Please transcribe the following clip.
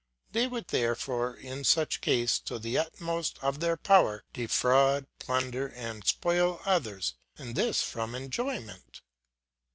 They would therefore in such case to the utmost of their power defraud, plunder, and spoil others, and this from delight.